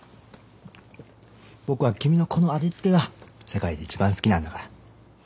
僕は君のこの味付けが世界で一番好きなんだから。